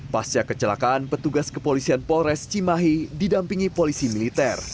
pasca kecelakaan petugas kepolisian polres cimahi didampingi polisi militer